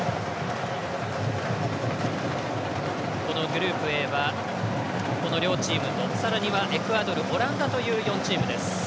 グループＡは両チームとさらにはエクアドルオランダという４チームです。